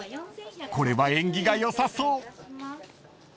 これは縁起が良さそう］